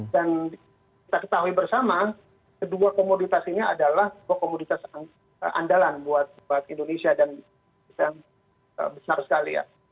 dan kita ketahui bersama kedua komoditas ini adalah komoditas andalan buat indonesia dan besar sekali ya